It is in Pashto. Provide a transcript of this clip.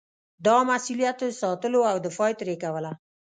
دا مسووليت یې ساتلو او دفاع یې ترې کوله.